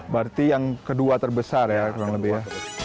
berarti yang kedua terbesar ya kurang lebih ya